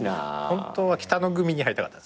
本当は北野組に入りたかった。